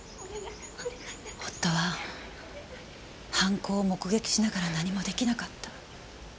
夫は犯行を目撃しながら何も出来なかった。